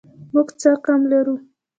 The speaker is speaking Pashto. موږ څه کم لرو